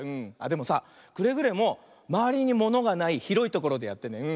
でもさくれぐれもまわりにものがないひろいところでやってね。